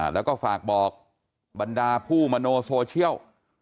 แล้วก็ฝากบอกบรรดาผู้มโนโซเชียล